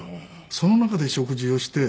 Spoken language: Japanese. その中で食事をして。